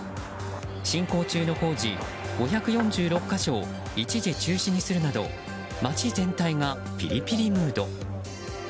進行中の工事５４６か所を一時中止にするなど街全体がピリピリムード。